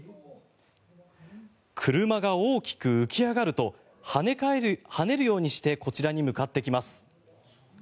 車が大きく浮き上がると跳ねるようにしてこちらに向かってきます。